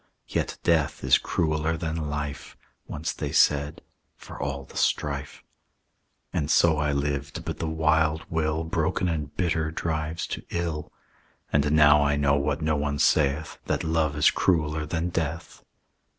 "'Yet death is crueller than life,' Once they said, 'for all the strife.' "And so I lived; but the wild will, Broken and bitter, drives to ill. "And now I know, what no one saith, That love is crueller than death.